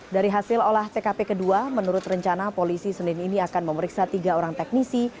dari hasil olah tkp kedua menurut rencana polisi senin ini akan memeriksa tiga orang teknisi